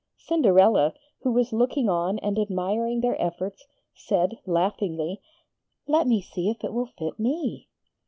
Cinderella, who was looking on and admiring their efforts, said laughingly: 'Let me see if it will fit me.'